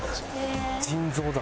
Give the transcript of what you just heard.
腎臓だ。